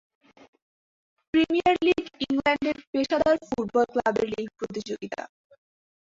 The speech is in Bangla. প্রিমিয়ার লীগ ইংল্যান্ডের পেশাদার ফুটবল ক্লাবের লীগ প্রতিযোগিতা।